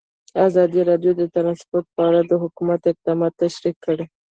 ازادي راډیو د ترانسپورټ په اړه د حکومت اقدامات تشریح کړي.